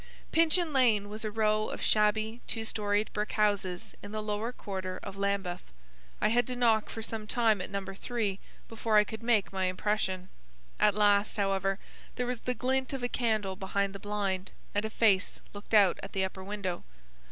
Pinchin Lane was a row of shabby two storied brick houses in the lower quarter of Lambeth. I had to knock for some time at No. 3 before I could make my impression. At last, however, there was the glint of a candle behind the blind, and a face looked out at the upper window.